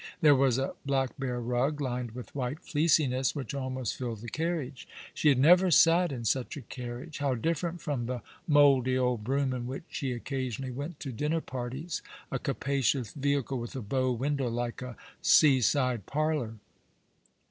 There was a black bear rug, lined with white fleeciness, which almost filled the carriage. She had never sat in such a carriage. How different from the mouldy old brougham in which she occasionally went to dinner parties—a capacious vehicle with a bow window, like a sca eide parlour